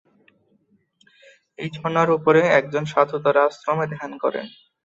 এই ঝর্ণার ওপরে একজন সাধু তার আশ্রমে ধ্যান করেন।